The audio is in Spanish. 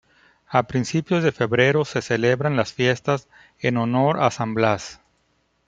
A principios de febrero se celebran las fiestas en honor a San Blas.